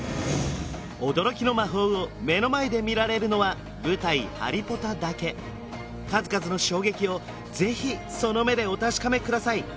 驚きの魔法を目の前で見られるのは舞台「ハリポタ」だけ数々の衝撃をぜひその目でお確かめください